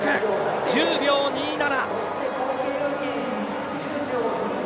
１０秒２７。